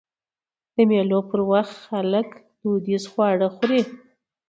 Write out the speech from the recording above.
د مېلو پر وخت خلک دودیز خواږه خوري.